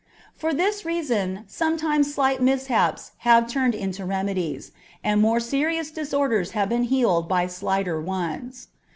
For this reason, some times slight mishaps have turned into remedies, and more serious disorders have been healed by slighter ones.